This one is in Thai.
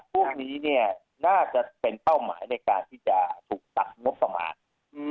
พวกนี้เนี่ยน่าจะเป็นเป้าหมายในการที่จะถูกตัดงบประมาณ